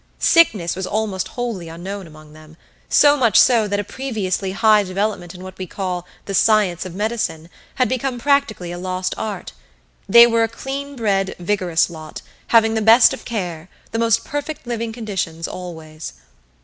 Sickness was almost wholly unknown among them, so much so that a previously high development in what we call the "science of medicine" had become practically a lost art. They were a clean bred, vigorous lot, having the best of care, the most perfect living conditions always.